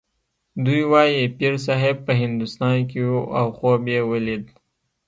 دوی وايي پیرصاحب په هندوستان کې و او خوب یې ولید.